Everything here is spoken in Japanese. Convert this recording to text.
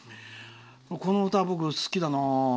この歌、僕、好きだな。